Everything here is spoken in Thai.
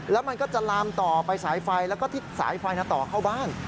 แล้วมันก็จะลามต่อไปสายไฟแล้วก็ที่สายไฟต่อเข้าบ้าน